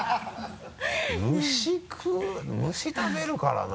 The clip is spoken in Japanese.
虫食う虫食べるからな。